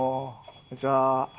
こんにちは。